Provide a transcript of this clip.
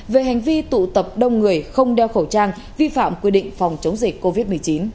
về hành vi tụ tập đông người không đeo khẩu trang vi phạm quy định phòng chống dịch covid một mươi chín